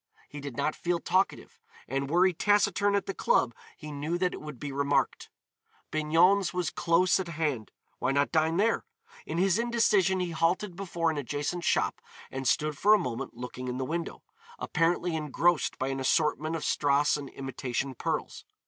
He did not feel talkative, and were he taciturn at the club he knew that it would be remarked. Bignon's was close at hand. Why not dine there? In his indecision he halted before an adjacent shop and stood for a moment looking in the window, apparently engrossed by an assortment of strass and imitation pearls.